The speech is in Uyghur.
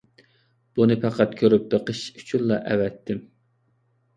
بۇنى پەقەت كۆرۈپ بېقىش ئۈچۈنلا ئەۋەتتىم.